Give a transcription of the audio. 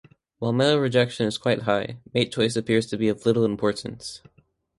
While male rejection is quite high, mate choice appears to be of little importance.